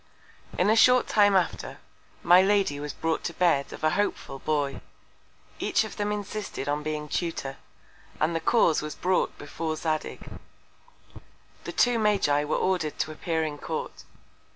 In a short Time after, my Lady was brought to Bed of a hopeful Boy. Each of them insisted on being Tutor, and the Cause was brought before Zadig. The two Magi were order'd to appear in Court.